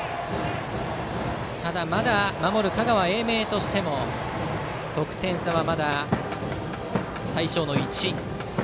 まだ守る香川・英明としても得点差は最少の１。